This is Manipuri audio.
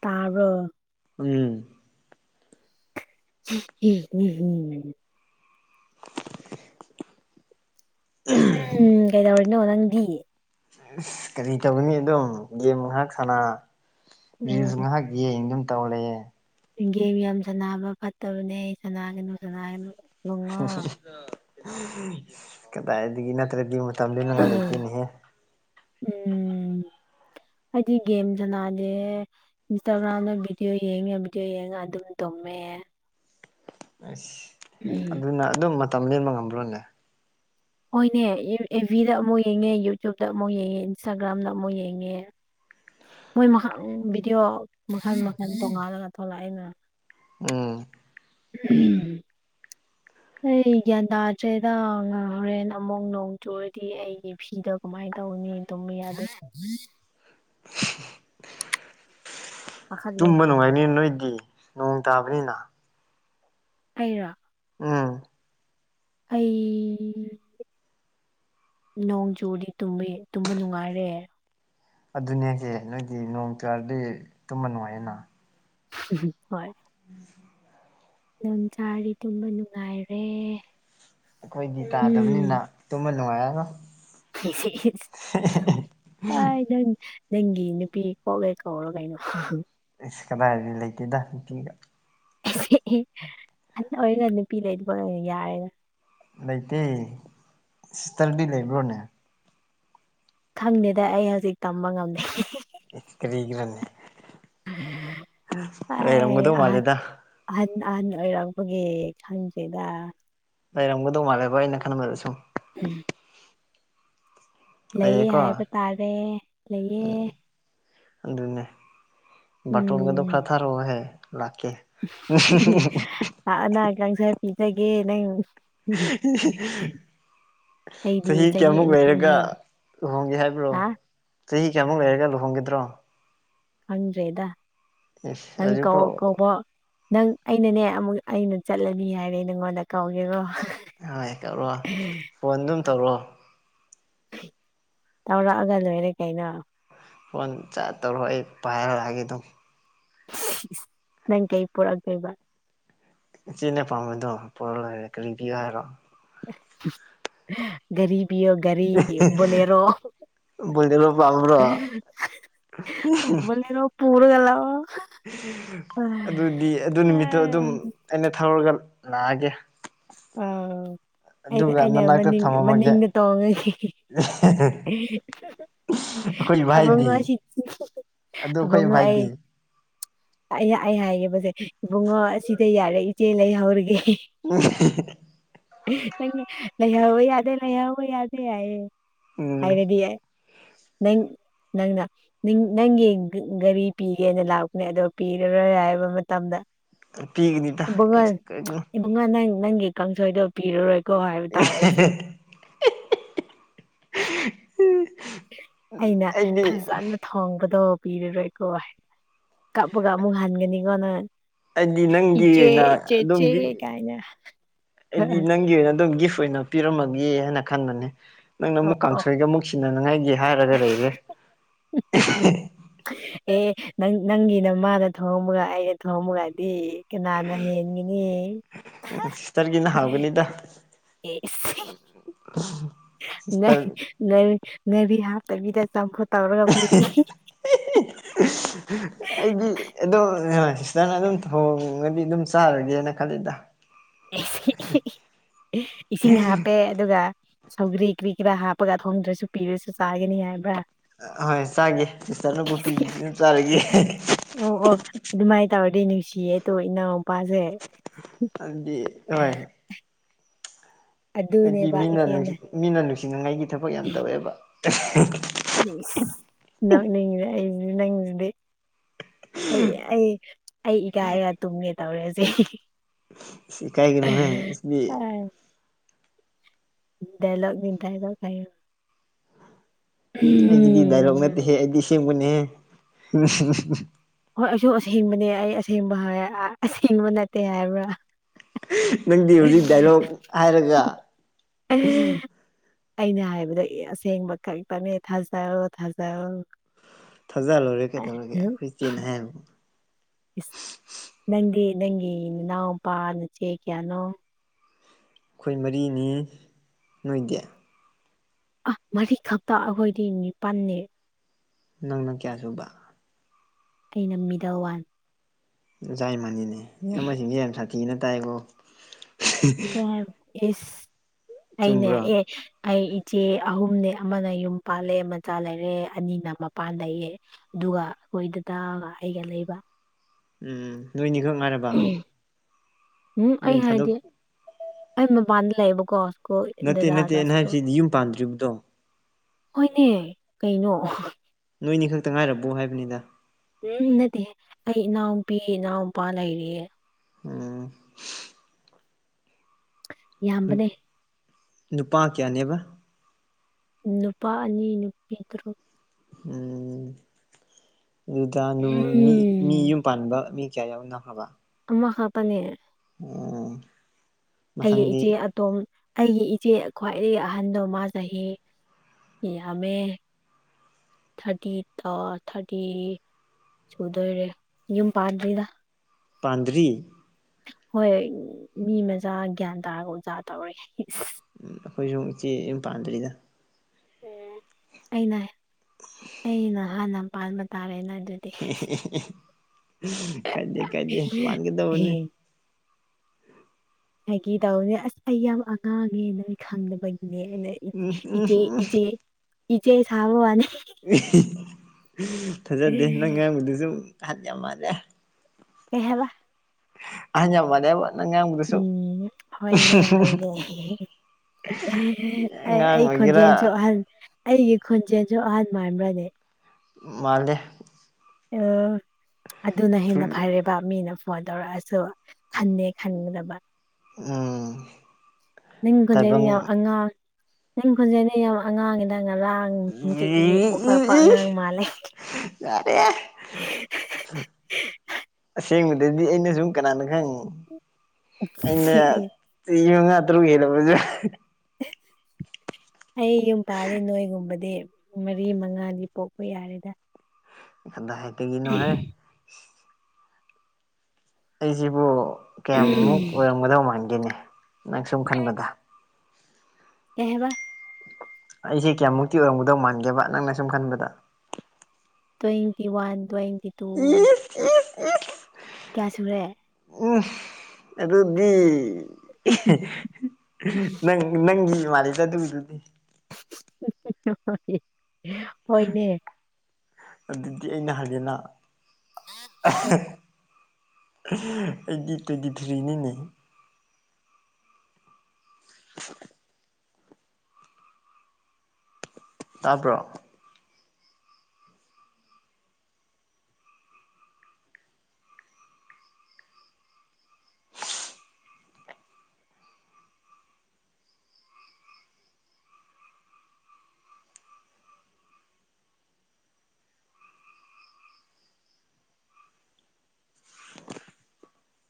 ꯇꯔꯣ ꯎꯝ [unintelligible] ꯎꯝ ꯀꯩꯗꯧꯔꯤꯅꯣ ꯅꯪꯗꯤ ꯀꯔꯤ ꯇꯧꯒꯅꯤ ꯑꯗꯨꯝ ꯒꯦꯝ ꯉꯥꯏꯍꯥꯛ ꯁꯥꯟꯅ ꯔꯤꯜꯁ ꯎꯝ ꯉꯥꯏꯍꯥꯛ ꯌꯦꯡ ꯑꯗꯨꯝ ꯇꯧ ꯂꯩꯛꯑꯦ ꯒꯦꯝ ꯌꯥꯝ ꯁꯅꯕ ꯐꯠꯇꯕꯅꯦ ꯁꯅꯥꯒꯅꯨ ꯁꯅꯥꯒꯅꯨ ꯀꯗꯥꯏꯗꯒꯤ ꯅꯠꯇ꯭ꯔꯗꯤ ꯃꯇꯝ ꯂꯟꯅꯉꯥꯏ ꯂꯩꯇꯦꯅꯦꯍꯦ ꯎꯝ ꯑꯩꯗꯤ ꯒꯦꯝ ꯁꯅꯥꯅꯦ ꯏꯟꯁꯇꯥꯒ꯭ꯔꯥꯝꯗ ꯚꯗꯤꯑꯣ ꯌꯦꯡꯉ ꯚꯤꯗꯤꯑꯣ ꯌꯦꯡꯉ ꯑꯗꯨꯝ ꯇꯨꯝꯃꯦ ꯑꯁ ꯑꯗꯨꯅ ꯑꯗꯨꯝ ꯃꯇꯝ ꯂꯦꯟꯕ ꯉꯝꯕ꯭ꯔꯣꯅꯦ ꯍꯣꯏꯅꯦ ꯏꯚꯤꯗ ꯑꯃꯨꯛ ꯌꯦꯡꯉꯦ ꯌꯨꯇ꯭ꯌꯨꯕꯇ ꯑꯃꯨꯛ ꯌꯦꯡꯉꯦ ꯏꯟꯁꯇꯥꯒ꯭ꯔꯥꯝꯗ ꯑꯃꯨꯛ ꯌꯦꯡꯉꯦ ꯃꯣꯏ ꯃꯈꯜ ꯚꯤꯗꯤꯑꯣ ꯃꯈꯜ ꯃꯈꯜ ꯇꯣꯡꯉꯥꯜꯂꯒ ꯊꯣꯛꯂꯛꯏꯅ ꯎꯝ ꯎꯝ ꯑꯩ ꯒ꯭ꯌꯥꯟ ꯇꯥꯗ꯭ꯔꯦꯗ ꯍꯣꯔꯦꯟ ꯑꯃꯨꯛ ꯅꯣꯡ ꯆꯨꯔꯗꯤ ꯑꯩꯒꯤ ꯐꯤꯗ ꯀꯃꯥꯏꯅ ꯇꯧꯅꯤ ꯇꯨꯝꯃꯤꯗ ꯄꯥꯈꯠꯂꯦ ꯇꯨꯝꯕ ꯅꯨꯡꯉꯥꯏꯅꯤ ꯅꯣꯏꯗꯤ ꯅꯣꯡ ꯇꯥꯕꯅꯤꯅ ꯑꯩꯔꯣ ꯎꯝ ꯑꯩ ꯅꯣꯡ ꯆꯨꯗꯤ ꯇꯨꯝꯕ ꯅꯨꯡꯉꯥꯏꯔꯦ ꯑꯗꯨꯅꯦꯁꯦ ꯅꯣꯏꯗꯤ ꯅꯣꯡ ꯇꯨꯥꯔꯗꯤ ꯇꯨꯝꯃ ꯅꯨꯡꯉꯥꯏꯌꯦꯅ ꯍꯣꯏ [unintelligible] ꯅꯣꯡ ꯇꯥꯔꯥꯗꯤ ꯇꯨꯝꯕ ꯅꯨꯡꯉꯥꯏꯔꯦ ꯑꯩꯈꯣꯏꯗꯤ ꯇꯥꯗꯕꯅꯤꯅ ꯎꯝ ꯇꯨꯝꯃ ꯅꯨꯡꯉꯥꯏꯔꯅ ꯑꯩ ꯅꯪ ꯅꯪꯒꯤ ꯅꯨꯄꯤ ꯀꯣꯛꯂꯦ ꯀꯧꯔꯣ ꯀꯩꯅꯣ ꯑꯩꯁ ꯀꯗꯥꯏꯗꯤ ꯂꯩꯇꯦꯗ ꯅꯨꯇꯤꯒ ꯑꯣꯏꯅ ꯅꯨꯄꯤ ꯂꯩ ꯌꯥꯔꯦꯅ ꯂꯩꯇꯦ ꯁꯤꯁ ꯅꯥꯪꯗꯤ ꯂꯩꯕ꯭ꯔꯣꯅꯦ ꯈꯪꯗꯦꯗ ꯑꯩ ꯍꯧꯖꯤꯛ ꯇꯝꯕ ꯉꯝꯗꯦ ꯀꯔꯤꯍꯤꯔꯣꯕꯅꯦ ꯑꯥꯏ ꯂꯩꯔꯝꯒꯗꯧ ꯑꯍꯟ ꯃꯥꯜꯂꯦꯗ ꯑꯍꯟ ꯑꯍꯟ ꯑꯣꯏꯔꯛꯄꯒꯤ ꯈꯪꯗ꯭ꯦꯗ ꯂꯩꯔꯝꯒꯗꯧ ꯃꯥꯜꯂꯦꯕ ꯑꯩꯅ ꯈꯟꯕꯗ ꯁꯨꯝ ꯎꯝ ꯂꯩꯌꯦ ꯂꯩꯌꯦꯀꯣ ꯍꯥꯏꯕ ꯇꯥꯔꯦ ꯂꯩꯌꯦ ꯑꯗꯨꯅꯦ ꯕꯥꯇꯣꯜꯒꯗ ꯈꯔꯥ ꯊꯥꯔꯣꯍꯦ ꯂꯥꯛꯀꯦ ꯑꯅꯥ ꯀꯁꯥꯏ ꯄꯤꯖꯒꯦ ꯅꯪ [inaudible] ꯑꯩꯗꯤ ꯆꯍꯤ ꯀꯌꯥꯃꯨꯛ ꯑꯅꯤ ꯂꯩꯔꯒ ꯍꯦꯟ ꯂꯨꯍꯣꯡꯒꯦ ꯍꯥꯏꯕ꯭ꯔꯣ ꯍꯥ ꯆꯍꯤ ꯀꯌꯥꯃꯨꯛ ꯂꯩꯔꯒ ꯂꯨꯍꯣꯡꯒꯗ꯭ꯔꯣ ꯈꯪꯗ꯭ꯔꯦꯗ ꯏꯁ ꯅꯪ ꯀ ꯍꯧꯖꯤꯛꯐꯥꯎ ꯀꯧꯕ ꯅꯪ ꯑꯩꯅꯅꯦ ꯑꯃꯨꯛ ꯑꯩꯅ ꯆꯠꯂꯅꯤ ꯍꯥꯏꯔꯦ ꯅꯪꯉꯣꯟꯗ ꯀꯧꯒꯦꯀꯣ ꯍꯣꯏ ꯀꯧꯔꯛ ꯑꯣ ꯐꯣꯟ ꯑꯗꯨꯝ ꯇꯧꯔꯑꯣ ꯇꯧꯔꯛꯑꯒ ꯂꯣꯏꯔꯦ ꯀꯩꯅꯣ ꯐꯣꯟ ꯆꯥꯔ ꯇꯧꯔꯣ ꯑꯩ ꯄꯥꯏꯔꯜꯂꯛꯑꯒꯦ ꯑꯗꯨꯝ ꯅꯪ ꯀꯩ ꯄꯨꯔꯛ ꯇꯣꯏꯕ ꯏꯆꯦꯟꯅ ꯄꯥꯝꯝꯕꯗꯣ ꯄꯨꯔꯛꯣꯀꯂꯣꯏꯔꯦ ꯛꯔꯤꯄꯤꯌꯨ ꯍꯥꯏꯔꯣ ꯒꯥꯔꯤ ꯄꯤꯌꯣ ꯒꯥꯔꯤ ꯕꯣꯂꯦꯔꯣ ꯕꯣꯔꯦꯂꯣ ꯄꯥꯝꯕꯔꯣ ꯄꯨꯔꯒꯥ ꯂꯛ ꯑꯣ ꯑꯗꯨꯗꯤ ꯑꯗꯨ ꯅꯨꯃꯤꯠꯇꯣ ꯑꯗꯨꯝ ꯑꯩꯅ ꯊꯧꯔꯒ ꯂꯥꯛꯑꯒꯦ ꯎꯝ ꯑ ꯑꯗꯨꯒ ꯑꯩꯅ ꯅꯅꯥꯛꯇ ꯃꯅꯤꯡ ꯊꯝꯃꯝꯃꯒꯦ ꯃꯅꯤꯡꯗ ꯇꯣꯡꯉꯁꯤ ꯑꯩꯈꯣꯏ ꯑꯕꯨꯉꯣ ꯚꯥꯏꯗꯤ ꯁꯤꯗꯤ ꯑꯗꯨ ꯑꯩꯈꯣꯏ ꯑꯕꯨꯡꯑꯣ ꯑꯩ ꯚꯥꯏꯗꯤ ꯑꯩ ꯑꯩ ꯍꯥꯒꯦꯕꯁꯦ ꯏꯕꯨꯡꯉꯣ ꯑꯁꯤꯗ ꯌꯥꯔꯦ ꯏꯆꯦ ꯂꯩꯍꯧꯔꯒꯦ ꯎ ꯅꯪ ꯂꯩꯍꯕ ꯌꯥꯗꯦ ꯂꯩꯍꯕ ꯌꯥꯗꯦ ꯌꯥꯏꯌꯦ ꯎꯝ ꯍꯥꯏꯔꯗꯤ ꯅꯪ ꯅꯪꯅ ꯅꯪꯒꯤ ꯒꯥꯔꯤ ꯄꯤꯒꯦꯅ ꯂꯥꯛꯄꯅꯦ ꯑꯗꯣ ꯄꯤꯔꯔꯣꯏ ꯍꯥꯏꯕ ꯃꯇꯝꯗ ꯄꯤꯒꯅꯤꯇ ꯀ ꯀꯅ ꯕꯨꯉꯣ ꯅꯪ ꯅꯪꯒꯤ ꯀꯥꯡꯁꯣꯏꯗꯣ ꯄꯤꯔꯔꯣꯏꯀꯣ ꯍꯥꯏꯕ ꯇꯥꯔꯦ ꯑꯩꯁꯨ ꯑꯩꯅ ꯑꯩꯗꯤ ꯐꯖꯅ ꯊꯣꯡꯕꯗꯣ ꯄꯤꯔꯔꯣꯏꯀꯣ ꯍꯥꯌꯅꯥ ꯀꯞꯄꯒ ꯍꯟꯒꯅꯤꯀ ꯅꯪ ꯑꯩꯗꯤ ꯅꯪꯒꯤ ꯏꯆꯦ ꯑꯣꯏꯅ ꯆꯦꯆꯦ ꯑꯗꯣꯝꯒꯤ ꯀꯥꯏꯅ ꯑꯩꯗꯤ ꯅꯪꯒꯤ ꯑꯗꯨꯝ ꯒꯤꯐ ꯑꯣꯏꯅ ꯄꯤꯔꯝꯃꯒꯦ ꯍꯥꯏꯅ ꯈꯟꯕꯅꯦ ꯅꯪꯅ ꯑꯃꯨꯛ ꯑꯣ ꯀꯥꯡꯁꯣꯏꯒ ꯑꯃꯨꯛ ꯁꯤꯟꯅꯅꯉꯥꯏꯒꯤ ꯍꯥꯏꯔꯒ ꯂꯩꯔꯦ ꯎ ꯑꯦ ꯅꯪ ꯅꯪꯒꯤ ꯅꯃꯥꯅ ꯊꯣꯡꯉꯝꯃꯒ ꯑꯩꯅ ꯊꯣꯡꯝꯃꯒꯗꯤ ꯀꯅꯥꯅ ꯍꯦꯟꯒꯤꯅꯤ ꯎꯝ ꯁꯤꯁꯇꯔꯒꯤꯅ ꯍꯥꯡꯒꯅꯤꯗ ꯅ ꯅ ꯅꯕꯤ ꯍꯥ ꯇꯗ ꯆ ꯑꯩꯗꯤ ꯑꯗꯨꯝ ꯁꯤꯁꯇꯔꯅ ꯑꯗꯨꯝ ꯊꯣꯡꯉꯗꯤ ꯑꯗꯨꯝ ꯆꯥꯔꯒꯦꯅ ꯈꯜꯂꯤꯗ ꯏꯁꯤꯡ ꯍꯥꯞꯄꯦ ꯑꯗꯨꯒ ꯁꯧꯒ꯭ꯔꯤ ꯀ꯭ꯔꯤ ꯀꯔꯥ ꯍꯥꯞꯄꯒ ꯊꯣꯡꯗ꯭ꯔꯁꯨ ꯄꯤꯔꯁꯨ ꯆꯥꯒꯅꯤ ꯍꯥꯏꯕ꯭ꯔꯥ? ꯑ ꯍꯣꯏ ꯆꯥꯒꯦ ꯁꯤꯁꯇꯔꯅꯕꯨ ꯄ [unintelligible] ꯆꯥꯔꯒꯦ ꯑꯣ ꯑꯣ ꯑꯗꯨꯃꯥꯏꯅ ꯇꯧꯔꯗꯤ ꯅꯨꯡꯁꯤꯌꯦꯗꯣ ꯏꯅꯥꯎꯄꯥꯁꯦ꯫ ꯑꯗꯨꯗꯤ ꯑꯣꯏ꯫ ꯑꯩꯗꯤ ꯑꯗꯨꯅꯦꯕ ꯏꯆꯦꯅ ꯃꯤꯅ-ꯃꯤꯅ ꯅꯨꯡꯁꯤꯅꯤꯡꯉꯥꯏꯒꯤ ꯊꯕꯛ ꯌꯥꯝ ꯇꯧꯋꯦꯕ꯫ ꯪꯏꯖ ꯅꯣꯛꯅꯤꯡꯒ꯭ꯔꯦ ꯑꯩꯖꯤ-ꯅꯪꯖꯤꯗꯤ꯫ ꯑꯩ-ꯑꯩ-ꯑꯩ ꯏꯀꯥꯏꯔꯒ ꯇꯨꯝꯒꯦ ꯇꯧꯔꯦꯁꯤ꯫ ꯏꯖ ꯏꯀꯥꯏꯒꯅꯨꯍꯦ [unintelligible] ꯗꯥꯏꯂꯛ ꯅꯤ ꯗꯥꯏꯂꯣꯛ ꯍꯥꯏꯌꯨ꯫ ꯑꯩꯒꯤꯗꯤ ꯗꯥꯏꯔꯣꯛ ꯅꯠꯇꯦꯍꯦ ꯎꯝ ꯑꯩꯗꯤ ꯑꯁꯦꯡꯕꯅꯦꯍꯦ꯫ ꯍꯣꯏ ꯑꯩꯁꯨ ꯑꯁꯦꯡꯕꯅꯦ ꯑꯩ ꯑꯁꯦꯡꯕ ꯍꯥꯏ ꯑꯁꯦꯡꯕ ꯅꯠꯇꯦ ꯍꯥꯏꯕ꯭ꯔꯥ꯫ ꯅꯪꯗꯤ ꯍꯧꯖꯤꯛ ꯗꯥꯏꯂꯣꯛ ꯍꯥꯏꯔꯒ ꯑꯩꯅ ꯍꯥꯏꯕꯗ ꯑꯁꯦꯡꯕ ꯈꯛꯇꯅꯦ ꯊꯥꯖꯔꯣ-ꯊꯥꯖꯔꯣ ꯊꯖꯔ ꯂꯣꯏꯔꯦ ꯀꯩꯗꯧꯔꯒꯦ ꯑꯩꯈꯣꯏ ꯆꯦꯅ ꯍꯥꯏꯌꯦꯕꯨ꯫ ꯏꯁ ꯅꯪꯗꯤ ꯅꯪꯒꯤ ꯅꯅꯥꯎꯄꯥꯥ ꯅꯆꯦ ꯀꯌꯥꯅꯣ? ꯑꯩꯈꯣꯏ ꯃꯔꯤꯅꯤ ꯅꯣꯏꯗꯤ꯫ ꯑ ꯃꯔꯤ ꯈꯛꯇ ꯑꯩꯈꯣꯏꯗꯤ ꯅꯤꯄꯜꯅꯦ꯫ ꯅꯪꯅ ꯀꯌꯥ ꯁꯨꯕ꯫ ꯑꯩꯅ ꯃꯤꯗꯜ ꯋꯥꯟ꯫ ꯑꯣꯖꯥ ꯏꯃꯅꯤꯅꯦ ꯏꯌꯥꯝꯕꯁꯤꯡꯁꯦ ꯌꯥꯝ ꯁꯥꯊꯤꯅ ꯇꯥꯏꯀꯣ? [unintelligible] ꯏꯁ ꯑꯩꯅꯦ ꯆꯨꯝꯕ꯭ꯔꯣ ꯑꯦ ꯑꯩ ꯏꯆꯦ ꯑꯍꯨꯝꯅꯦ ꯑꯃꯅ ꯌꯨꯝ ꯄꯥꯜꯂꯦ ꯃꯆꯥ ꯂꯩꯔꯦ, ꯑꯅꯤꯅ ꯃꯄꯥꯟ ꯂꯩꯌꯦ꯫ ꯑꯗꯨꯒ ꯑꯩꯈꯣꯏ ꯗꯥꯗꯒ ꯑꯩꯒ ꯂꯩꯕ ꯎꯝ ꯅꯣꯏꯅꯤꯈꯛ ꯉꯥꯏꯔꯕ? ꯎꯝ ꯑꯩ ꯌꯨꯝ ꯊꯥꯗꯣꯛ ꯍꯥꯏꯗꯤ ꯑꯩ ꯃꯄꯥꯟꯗ ꯂꯩꯌꯦꯕꯀꯣ꯫ ꯀꯣ ꯅꯠꯇꯦ ꯗꯗꯥ ꯅꯠꯇꯦ ꯑꯩꯅ ꯑꯀꯥꯁ ꯀꯣ ꯍꯥꯏꯕꯁꯤꯗꯤ ꯌꯨꯝ ꯄꯥꯟꯗ꯭ꯔꯤꯕꯗꯣ ꯍꯣꯏꯅꯦ ꯀꯩꯅꯣ꯫ ꯅꯣꯏꯅꯤ ꯈꯛꯇ ꯉꯥꯏꯔꯕꯣ ꯍꯥꯏꯕꯅꯤꯗ꯫ ꯎꯝ ꯅꯠꯇꯦ ꯑꯩ ꯏꯅꯥꯎꯅꯨꯄꯤ ꯏꯅꯥꯎꯄꯥ ꯂꯩꯔꯤꯌꯦ꯫ ꯎꯝ ꯌꯥꯝꯕꯅꯦ꯫ ꯅꯨꯄꯥ ꯀꯌꯥꯅꯦꯕ? ꯅꯨꯄꯥ ꯑꯅꯤ ꯅꯨꯄꯤ ꯇꯔꯨꯛ꯫ ꯎꯝ [inaudible] ꯄꯥꯟꯕ ꯃꯤ ꯀꯌꯥ ꯌꯥꯎꯅꯈ꯭ꯔꯕ? ꯑꯃ ꯈꯛꯇꯅꯦ ꯎꯝ ꯑꯩ ꯏꯆꯦ ꯃꯊꯪꯗꯤ ꯑꯇꯣꯝ ꯑꯩꯒꯤ ꯏꯆꯦ ꯈ꯭ꯋꯥꯏꯗꯒꯤ ꯑꯍꯟꯕꯗꯣ ꯃ-ꯆꯍꯤ ꯌꯥꯝꯃꯦ꯫ ꯊꯥꯔꯇꯤ ꯇ ꯊꯥꯔꯇꯤ ꯁꯨꯗꯣꯏꯔꯦ ꯌꯨꯝ ꯄꯥꯟꯗ꯭ꯔꯤꯗ꯫ ꯄꯥꯟꯗꯔꯤ? ꯍꯣꯏ ꯃꯤ ꯃꯆꯥ ꯒ꯭ꯌꯥꯟ ꯇꯥꯔꯒ ꯑꯣꯖꯥ ꯇꯧꯔꯦ ꯏꯖ꯫ ꯎꯝ ꯑꯩꯈꯣꯏꯁꯨ ꯏꯆꯦ ꯌꯨꯝ ꯄꯥꯟꯗ꯭ꯔꯤꯗ꯫ ꯑꯩꯅ-ꯑꯩꯅ ꯍꯥꯟꯅ ꯄꯥꯟꯕ ꯇꯥꯔꯦꯅ ꯑꯗꯨꯗꯤ꯫ ꯀꯥꯏꯗꯦ-ꯀꯥꯏꯗꯦ ꯑꯦ ꯄꯥꯟꯒꯗꯧꯕꯅꯤ꯫ ꯐꯥꯒꯤ ꯇꯧꯅꯦ ꯑꯁ ꯑꯩ ꯌꯥꯝ ꯑꯉꯥꯡꯅꯦ ꯅꯣꯏ ꯈꯪꯗꯅꯕꯒꯤꯅꯦ ꯑꯩꯅ ꯏꯆꯦ-ꯏꯖꯦ-ꯏꯆꯦ ꯁꯕꯋꯥꯅꯤ꯫ ꯐꯖꯗꯦ ꯅꯪ ꯀꯩ ꯉꯥꯡꯕꯗꯨ ꯁꯨꯝ ꯑꯍꯜ ꯌꯥꯝ ꯃꯥꯜꯂꯦ꯫ ꯀꯩ-ꯍꯥꯏꯕ꯫ ꯑꯍꯜ ꯌꯥꯝ ꯃꯥꯜꯂꯦ ꯍꯥꯏꯕ ꯅꯪ ꯉꯥꯡꯕꯗꯨꯁꯨ꯫ ꯍꯣꯏꯅꯦ-ꯍꯣꯏꯅꯦ꯫ ꯑꯩ ꯑꯩ ꯑꯉꯥꯡ ꯑꯣꯏꯒꯦꯔꯥ ꯈꯣꯟꯖꯦꯟꯁꯨ ꯑꯍꯟ ꯑꯩꯒꯤ ꯈꯣꯟꯖꯦꯟꯁꯨ ꯑꯍꯟ ꯃꯥꯟꯕ꯭ꯔꯅꯦ ꯃꯥꯥꯟꯗꯦ ꯑ ꯑꯗꯨꯅ ꯍꯦꯟꯅ ꯐꯔꯦꯕ ꯄꯥ ꯃꯤꯅ ꯐꯣꯟ ꯇꯧꯔꯛꯑꯁꯨ ꯈꯟꯅꯦ ꯈꯟꯒꯗꯕ ꯎꯝ ꯅꯤꯡ ꯈꯨꯟꯖꯔꯤ ꯇꯥꯏꯕꯪ ꯌꯥꯃ ꯑꯉꯥꯡ ꯅꯤꯡ ꯈꯨꯟꯖꯗꯦ ꯌꯥꯃ ꯑꯉꯥꯡꯒꯤꯗ ꯉꯔꯥꯡ ꯎꯝ ꯅꯨꯡꯇꯤꯕꯤꯒꯤ ꯄꯣꯛ ꯂꯀꯄꯥ ꯑꯉꯥꯡ ꯃꯥꯜꯂꯦ ꯑꯦ ꯑꯁꯦꯡꯕꯗꯗꯤ ꯑꯩꯅ ꯁꯨꯝ ꯀꯅꯥꯅ ꯈꯪꯉꯤ ꯑꯩꯅ ꯆꯍꯤ ꯃꯉꯥ ꯇꯔꯨꯛ ꯍꯦꯜꯂꯕꯁꯦ ꯑꯩ ꯌꯨꯝ ꯄꯥꯜꯂꯤ ꯅꯣꯏꯒꯨꯝꯕꯗꯤ ꯃꯔꯤ ꯃꯉꯥꯗꯤ ꯄꯣꯛꯄ ꯌꯥꯔꯦꯗ ꯢꯊꯟꯗ ꯍꯥꯏ ꯀꯩꯒꯤꯅꯣꯍꯦ ꯑꯩꯁꯤꯕꯨ ꯀꯌꯥꯝꯃꯨꯛ ꯑꯣꯏꯔꯝꯒꯗꯧ ꯃꯥꯟꯒꯦꯅꯦ ꯅꯪ ꯁꯨꯝ ꯈꯟꯕꯗ ꯀꯩꯍꯥꯏꯕ ꯑꯩꯁꯦ ꯀꯌꯥꯃꯨꯛꯇꯤ ꯑꯣꯏꯔꯝꯒꯗꯧ ꯃꯥꯟꯒꯦꯕ ꯅꯪꯅ ꯁꯨꯝ ꯈꯟꯕꯗ ꯇ꯭ꯋꯦꯟꯇꯤ ꯋꯥꯟ ꯇ꯭ꯋꯦꯟꯇꯤ ꯇꯨ ꯏꯁ ꯏꯁ ꯀꯌꯥꯁꯨꯨꯔꯦ ꯎꯝ ꯑꯗꯨꯗꯤ ꯅꯪ ꯅꯪꯒꯤ ꯃꯥꯜꯂꯤꯗ ꯑꯗꯨꯗꯨꯗꯤ ꯍꯣꯏꯅꯦ ꯑꯗꯨꯗꯤ ꯑꯩꯅ ꯍꯥꯏꯒꯦꯅ ꯑꯩꯗꯤ ꯇꯣꯏꯟꯇꯤꯊꯔ꯭ꯤꯅꯤꯅꯦ [inaudible] ꯇꯥꯕ꯭ꯔꯣ [inaudible]